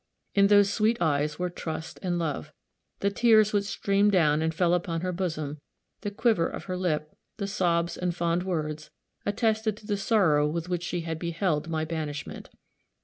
In those sweet eyes were trust and love; the tears which streamed down and fell upon her bosom, the quiver of her lip, the sobs and fond words, attested to the sorrow with which she had beheld my banishment.